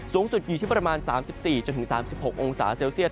สูงสุดอยู่ที่ประมาณ๓๔๓๖องศาเซลเซียต